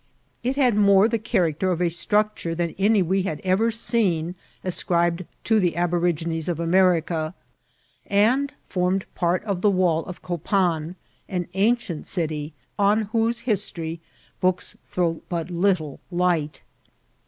It had more the character of a structure than any we had ever seen, ascribed to the aborigines of America, and formed part of the wall of Copan, an ancient city, on whose history books throw but little light.